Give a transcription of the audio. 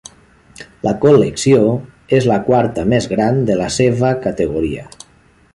La col·lecció és la quarta més gran de la seva categoria.